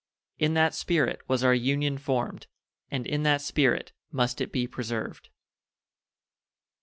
In that spirit was our Union formed, and in that spirit must it be preserved.